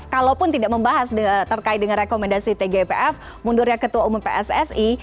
kalaupun tidak membahas terkait dengan rekomendasi tgipf mundurnya ketua umum pssi